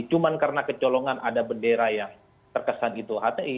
cuma karena kecolongan ada bendera yang terkesan itu hti